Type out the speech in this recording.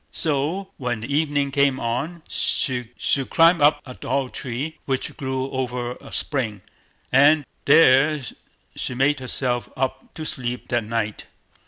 So, when the evening came on, she clomb up into a tall tree, which grew over a spring, and there she made herself up to sleep that night.